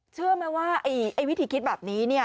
เชื่อไหมว่าไอ้วิธีคิดแบบนี้เนี่ย